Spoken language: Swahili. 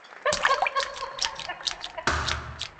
Anaangukiya mu terashe juya bulevi